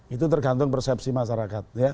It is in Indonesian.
itu tergantung persepsi masyarakat